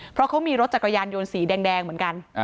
เพราะเขามีรถจักรยานยนต์สีแดงเหมือนกัน